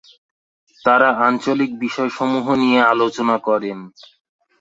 তারা আঞ্চলিক বিষয়সমূহ নিয়ে আলোচনা করেন।